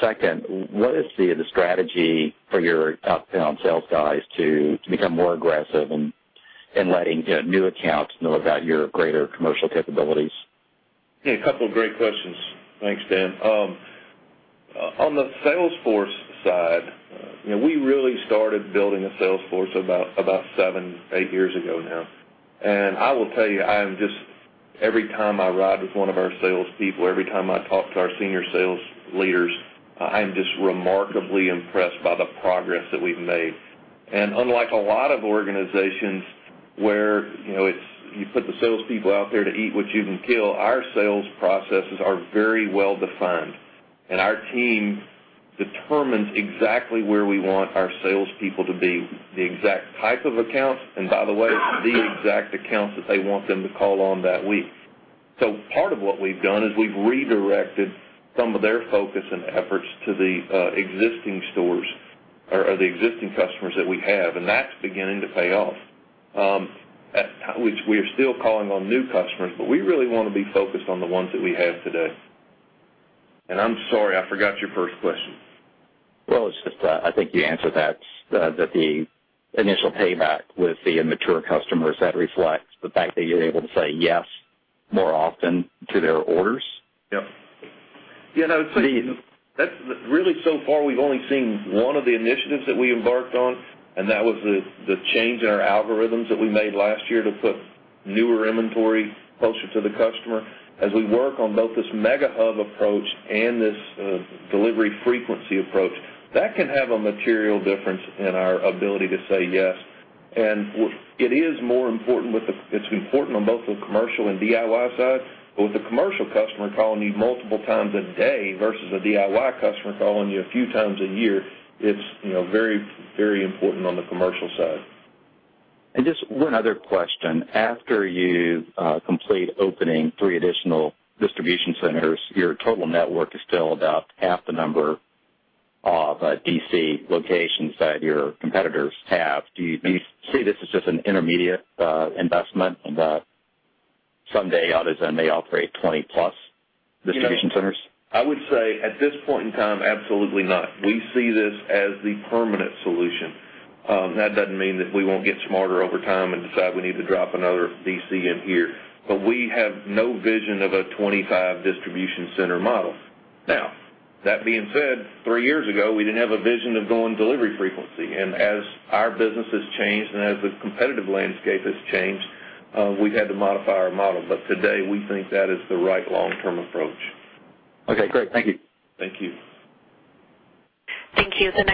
Second, what is the strategy for your outbound sales guys to become more aggressive in letting new accounts know about your greater commercial capabilities? Yeah. A couple of great questions. Thanks, Dan Wewer. On the sales force side, we really started building a sales force about seven, eight years ago now. I will tell you, every time I ride with one of our salespeople, every time I talk to our senior sales leaders, I'm just remarkably impressed by the progress that we've made. Unlike a lot of organizations where you put the salespeople out there to eat what you can kill, our sales processes are very well-defined, and our team determines exactly where we want our salespeople to be, the exact type of accounts, and by the way, the exact accounts that they want them to call on that week. Part of what we've done is we've redirected some of their focus and efforts to the existing stores or the existing customers that we have, and that's beginning to pay off. We are still calling on new customers, but we really want to be focused on the ones that we have today. I'm sorry, I forgot your first question. Well, it's just, I think you answered that the initial payback with the mature customers, that reflects the fact that you're able to say yes more often to their orders? Yep. I would say, really so far, we've only seen one of the initiatives that we embarked on. That was the change in our algorithms that we made last year to put newer inventory closer to the customer. As we work on both this mega hub approach and this delivery frequency approach, that can have a material difference in our ability to say yes. It's important on both the commercial and DIY sides, but with a commercial customer calling you multiple times a day versus a DIY customer calling you a few times a year, it's very important on the commercial side. Just one other question. After you complete opening three additional distribution centers, your total network is still about half the number of DC locations that your competitors have. Do you see this as just an intermediate investment, that someday AutoZone may operate 20-plus distribution centers? I would say at this point in time, absolutely not. We see this as the permanent solution. That doesn't mean that we won't get smarter over time and decide we need to drop another DC in here, but we have no vision of a 25 distribution center model. That being said, three years ago, we didn't have a vision of going delivery frequency. As our business has changed and as the competitive landscape has changed, we've had to modify our model. Today, we think that is the right long-term approach. Great. Thank you. Thank you. Thank you. The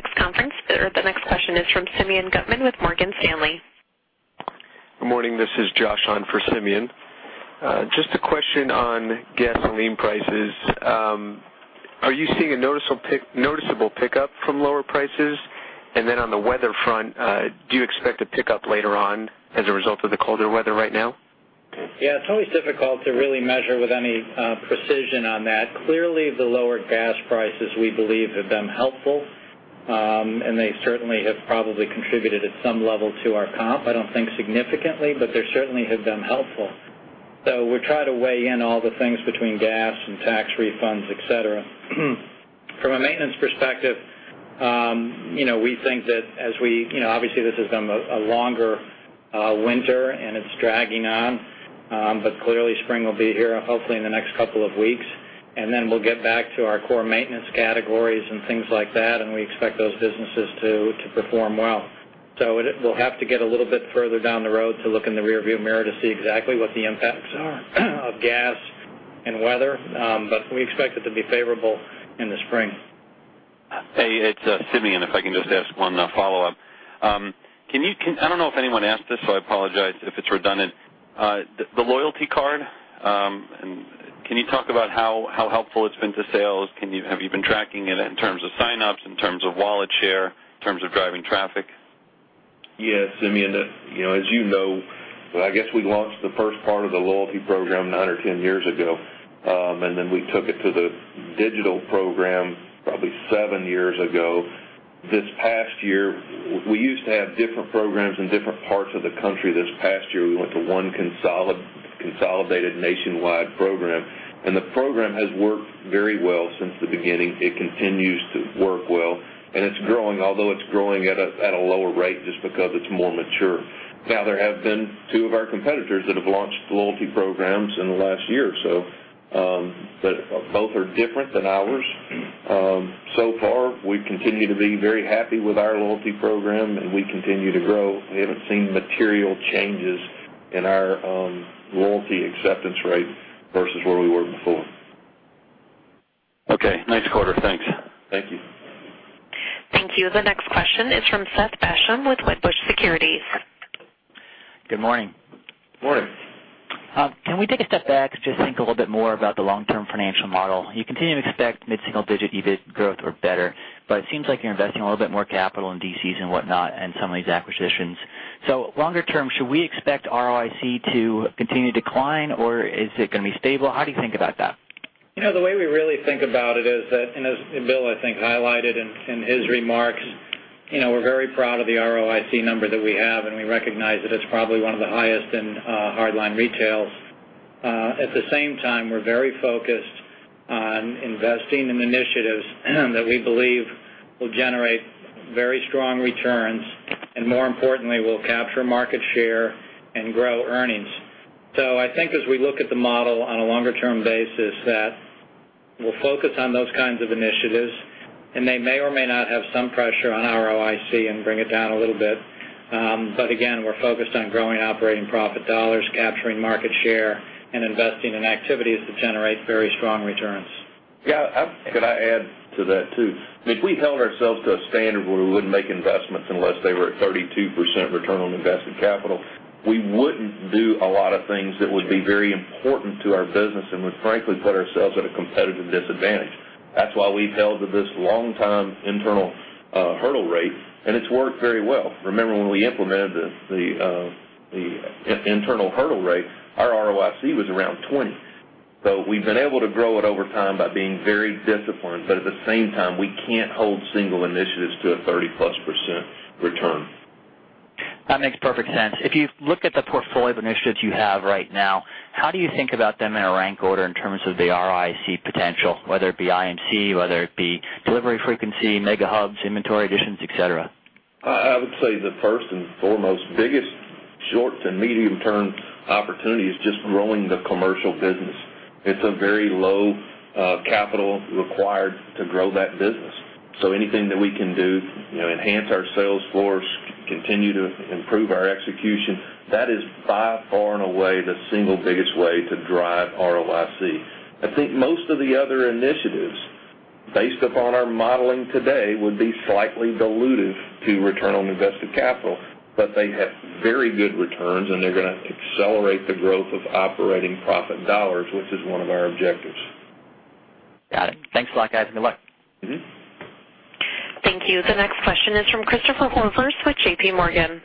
next question is from Simeon Gutman with Morgan Stanley. Good morning. This is Josh on for Simeon. Just a question on gasoline prices. Are you seeing a noticeable pickup from lower prices? Then on the weather front, do you expect a pickup later on as a result of the colder weather right now? Yeah, it's always difficult to really measure with any precision on that. Clearly, the lower gas prices, we believe, have been helpful. They certainly have probably contributed at some level to our comp. I don't think significantly, but they certainly have been helpful. We try to weigh in all the things between gas and tax refunds, et cetera. From a maintenance perspective, obviously this has been a longer winter, and it's dragging on. Clearly spring will be here, hopefully in the next couple of weeks, and then we'll get back to our core maintenance categories and things like that, and we expect those businesses to perform well. We'll have to get a little bit further down the road to look in the rearview mirror to see exactly what the impacts are of gas and weather. We expect it to be favorable in the spring. Hey, it's Simeon. If I can just ask one follow-up. I don't know if anyone asked this, so I apologize if it's redundant. The loyalty card, can you talk about how helpful it's been to sales? Have you been tracking it in terms of sign-ups, in terms of wallet share, in terms of driving traffic? Yes, Simeon. As you know, I guess we launched the first part of the loyalty program 9 or 10 years ago, and then we took it to the digital program probably seven years ago. This past year, we used to have different programs in different parts of the country. This past year, we went to one consolidated nationwide program, and the program has worked very well since the beginning. It continues to work well, and it's growing, although it's growing at a lower rate just because it's more mature. Now, there have been two of our competitors that have launched loyalty programs in the last year or so. Both are different than ours. Far, we continue to be very happy with our loyalty program, and we continue to grow. We haven't seen material changes in our loyalty acceptance rate versus where we were before. Okay, nice quarter. Thanks. Thank you. Thank you. The next question is from Seth Basham with Wedbush Securities. Good morning. Morning. Can we take a step back to just think a little bit more about the long-term financial model? You continue to expect mid-single digit EBIT growth or better, but it seems like you're investing a little bit more capital in DCs and whatnot and some of these acquisitions. Longer term, should we expect ROIC to continue to decline, or is it going to be stable? How do you think about that? The way we really think about it is that, and as Bill, I think, highlighted in his remarks, we're very proud of the ROIC number that we have, and we recognize that it's probably one of the highest in hard line retail. At the same time, we're very focused on investing in initiatives that we believe will generate very strong returns and, more importantly, will capture market share and grow earnings. I think as we look at the model on a longer-term basis, that we'll focus on those kinds of initiatives, and they may or may not have some pressure on ROIC and bring it down a little bit. Again, we're focused on growing operating profit dollars, capturing market share, and investing in activities that generate very strong returns. Yeah. Could I add to that, too? If we held ourselves to a standard where we wouldn't make investments unless they were at 32% return on invested capital, we wouldn't do a lot of things that would be very important to our business and would frankly put ourselves at a competitive disadvantage. That's why we've held to this long-time internal hurdle rate, and it's worked very well. Remember when we implemented the internal hurdle rate, our ROIC was around 20. We've been able to grow it over time by being very disciplined. At the same time, we can't hold single initiatives to a 30-plus % return. That makes perfect sense. If you look at the portfolio of initiatives you have right now, how do you think about them in a rank order in terms of the ROIC potential, whether it be IMC, whether it be delivery frequency, mega hubs, inventory additions, et cetera? I would say the first and foremost biggest short- and medium-term opportunity is just growing the commercial business. It's a very low capital required to grow that business. Anything that we can do, enhance our sales force, continue to improve our execution, that is by far and away the single biggest way to drive ROIC. I think most of the other initiatives, based upon our modeling today, would be slightly dilutive to return on invested capital, but they have very good returns, and they're going to accelerate the growth of operating profit dollars, which is one of our objectives. Got it. Thanks a lot, guys. Good luck. Thank you. The next question is from Christopher Horvers with JPMorgan.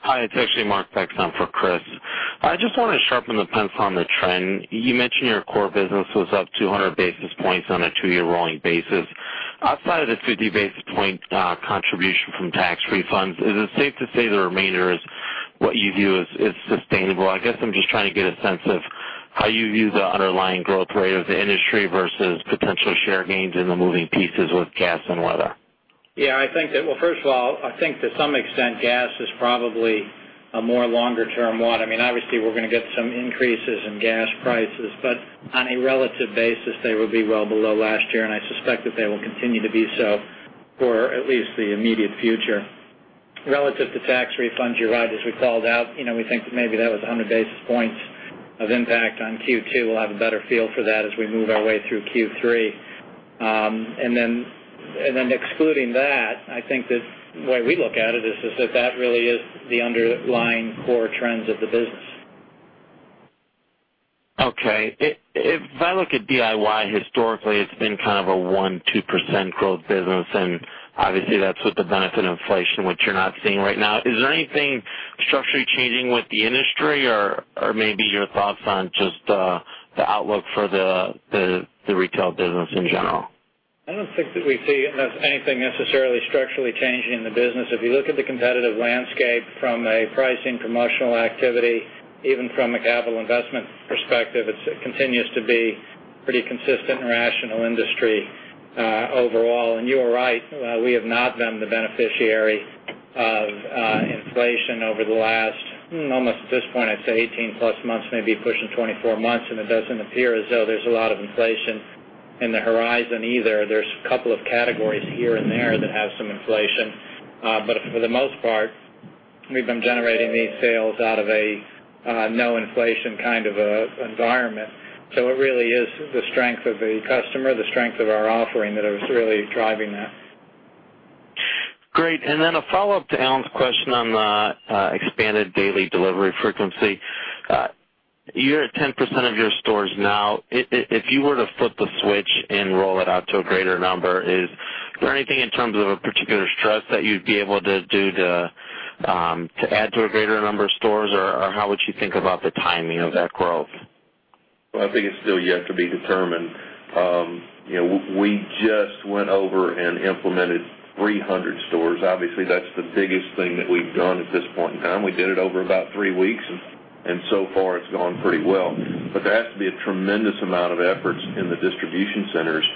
Hi, it's actually James Peck, on for Chris. I just want to sharpen the pencil on the trend. You mentioned your core business was up 200 basis points on a two-year rolling basis. Outside of the 50 basis point contribution from tax refunds, is it safe to say the remainder is what you view as sustainable? I guess I'm just trying to get a sense of how you view the underlying growth rate of the industry versus potential share gains in the moving pieces with gas and weather. Well, first of all, I think to some extent, gas is probably a more longer-term one. Obviously, we're going to get some increases in gas prices, but on a relative basis, they will be well below last year, and I suspect that they will continue to be so for at least the immediate future. Relative to tax refunds, you're right, as we called out, we think that maybe that was 100 basis points of impact on Q2. We'll have a better feel for that as we move our way through Q3. Then excluding that, I think that the way we look at it is that that really is the underlying core trends of the business. Okay. If I look at DIY historically, it's been kind of a 1%, 2% growth business, obviously, that's with the benefit of inflation, which you're not seeing right now. Is there anything structurally changing with the industry, or maybe your thoughts on just the outlook for the retail business in general? I don't think that we see anything necessarily structurally changing in the business. If you look at the competitive landscape from a pricing promotional activity, even from a capital investment perspective, it continues to be pretty consistent and rational industry overall. You are right, we have not been the beneficiary of inflation over the last, almost at this point, I'd say 18+ months, maybe pushing 24 months, and it doesn't appear as though there's a lot of inflation in the horizon either. There's a couple of categories here and there that have some inflation. For the most part, we've been generating these sales out of a no-inflation kind of environment. It really is the strength of the customer, the strength of our offering that is really driving that. Great. Then a follow-up to Alan's question on the expanded daily delivery frequency. You're at 10% of your stores now. If you were to flip the switch and roll it out to a greater number, is there anything in terms of a particular stress that you'd be able to do to add to a greater number of stores, or how would you think about the timing of that growth? I think it's still yet to be determined. We just went over and implemented 300 stores. Obviously, that's the biggest thing that we've done at this point in time. We did it over about three weeks, and so far it's gone pretty well. There has to be a tremendous amount of efforts in the distribution centers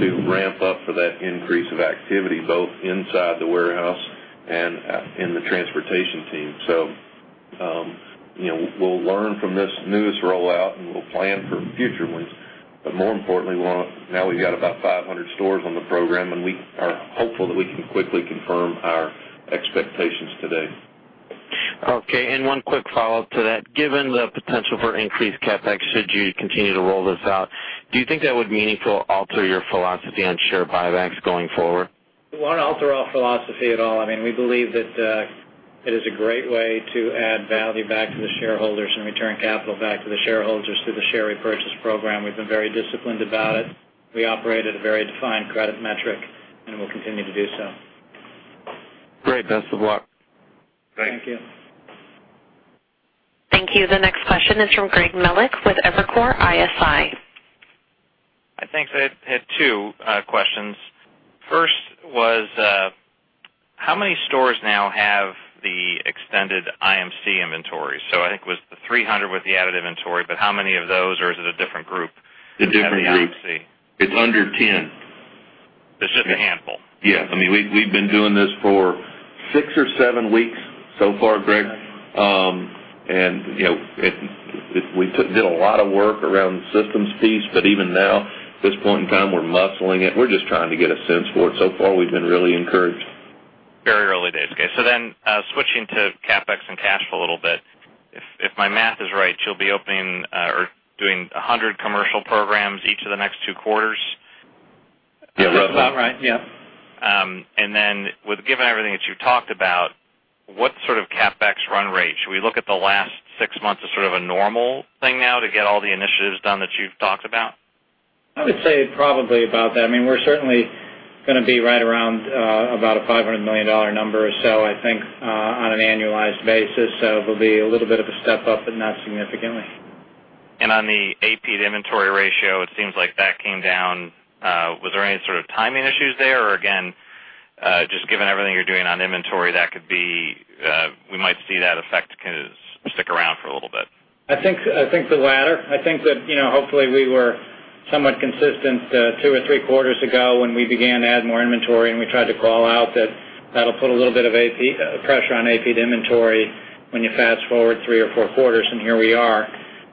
to ramp up for that increase of activity, both inside the warehouse and in the transportation team. We'll learn from this newest rollout, and we'll plan for future ones. More importantly, now we've got about 500 stores on the program, and we are hopeful that we can quickly confirm our expectations today. Okay. One quick follow-up to that. Given the potential for increased CapEx, should you continue to roll this out, do you think that would meaningfully alter your philosophy on share buybacks going forward? It won't alter our philosophy at all. We believe that it is a great way to add value back to the shareholders and return capital back to the shareholders through the share repurchase program. We've been very disciplined about it. We operate at a very defined credit metric, and we'll continue to do so. Great. Best of luck. Thank you. Thank you. Thank you. The next question is from Greg Melich with Evercore ISI. I think I had two questions. First was, how many stores now have the extended IMC inventory? I think it was the 300 with the added inventory, but how many of those, or is it a different group? It's a different group. At the IMC. It's under 10. It's just a handful. Yes. We've been doing this for six or seven weeks so far, Greg. We did a lot of work around the systems piece, but even now, at this point in time, we're muscling it. We're just trying to get a sense for it. So far, we've been really encouraged. Very early days. Okay. Switching to CapEx and cash flow a little bit. If my math is right, you'll be opening or doing 100 commercial programs each of the next two quarters. Yeah, roughly. About right, yeah. Given everything that you've talked about, what sort of CapEx run rate? Should we look at the last six months as sort of a normal thing now to get all the initiatives done that you've talked about? I would say probably about that. We're certainly going to be right around about a $500 million number or so, I think, on an annualized basis. It will be a little bit of a step up, but not significantly. On the AP inventory ratio, it seems like that came down. Are there any sort of timing issues there? Again, just given everything you're doing on inventory, we might see that effect stick around for a little bit. I think the latter. I think that hopefully we were somewhat consistent two or three quarters ago when we began to add more inventory, we tried to call out that that'll put a little bit of pressure on AP inventory when you fast-forward three or four quarters, here we are.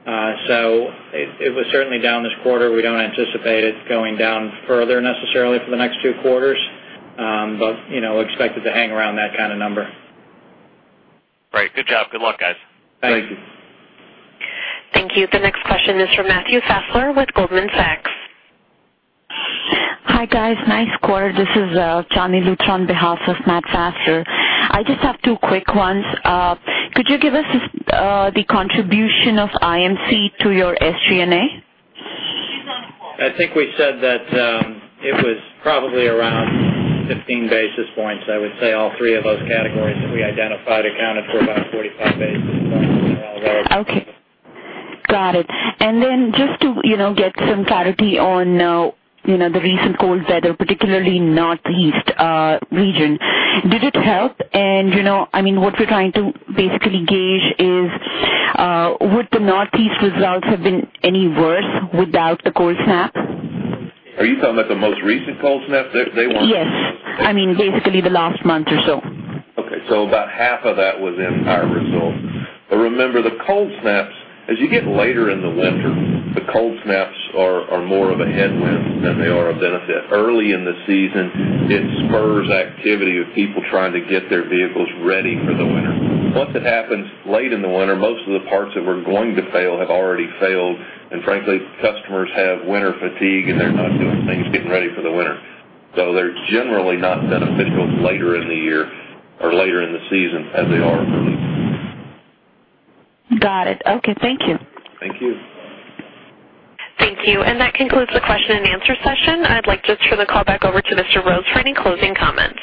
It was certainly down this quarter. We don't anticipate it going down further necessarily for the next two quarters. Expect it to hang around that kind of number. Great. Good job. Good luck, guys. Thank you. Thank you. The next question is from Matthew Fessler with Goldman Sachs. Hi, guys. Nice quarter. This is Jonny Fine on behalf of Matt Fessler. I just have two quick ones. Could you give us the contribution of IMC to your SG&A? I think we said that it was probably around 15 basis points. I would say all three of those categories that we identified accounted for about 45 basis points. Okay. Got it. Just to get some clarity on the recent cold weather, particularly Northeast region, did it help? What we're trying to basically gauge is, would the Northeast results have been any worse without the cold snap? Are you talking about the most recent cold snap, day one? Yes. Basically the last month or so. Okay. About half of that was in our results. Remember, the cold snaps, as you get later in the winter, the cold snaps are more of a headwind than they are a benefit. Early in the season, it spurs activity of people trying to get their vehicles ready for the winter. Once it happens late in the winter, most of the parts that were going to fail have already failed, and frankly, customers have winter fatigue, and they're not doing things, getting ready for the winter. They're generally not beneficial later in the year or later in the season as they are early. Got it. Okay. Thank you. Thank you. Thank you. That concludes the question and answer session. I'd like just to turn the call back over to Mr. Rhodes for any closing comments.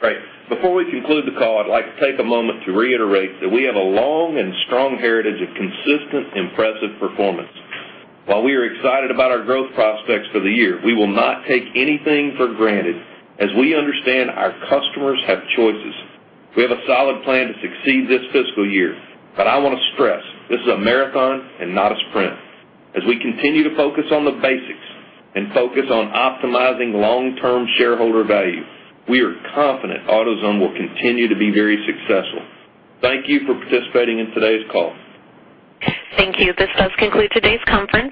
Great. Before we conclude the call, I'd like to take a moment to reiterate that we have a long and strong heritage of consistent, impressive performance. While we are excited about our growth prospects for the year, we will not take anything for granted, as we understand our customers have choices. We have a solid plan to succeed this fiscal year, but I want to stress, this is a marathon and not a sprint. As we continue to focus on the basics and focus on optimizing long-term shareholder value, we are confident AutoZone will continue to be very successful. Thank you for participating in today's call. Thank you. This does conclude today's conference.